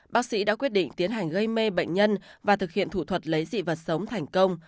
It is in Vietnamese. bác sĩ đã quyết định tiến hành gây mê bệnh nhân và thực hiện thủ thuật lấy dị vật sống thành công